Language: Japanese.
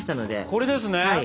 これですね？